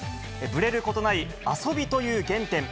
ぶれることない、遊びという原点。